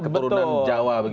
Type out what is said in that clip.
keturunan jawa gitu ya